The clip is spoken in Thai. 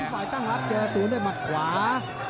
เป้นป๑๕๐ด้วยหมัดขวา